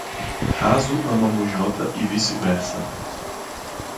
Haso ama Mujota e vice-versa.